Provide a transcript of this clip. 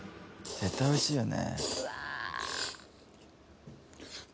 絶対おいしいよね。